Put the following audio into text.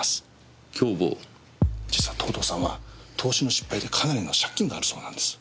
実は藤堂さんは投資の失敗でかなりの借金があるそうなんです。